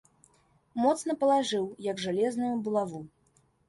Моцна палажыў, як жалезную булаву.